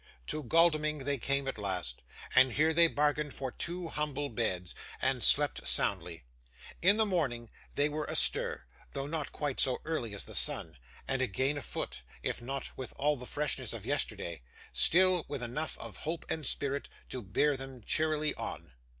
To Godalming they came at last, and here they bargained for two humble beds, and slept soundly. In the morning they were astir: though not quite so early as the sun: and again afoot; if not with all the freshness of yesterday, still, with enough of hope and spirit to bear them cheerily on.